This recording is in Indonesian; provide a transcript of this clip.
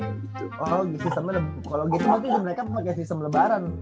oh gitu maksudnya mereka pakai sistem lebaran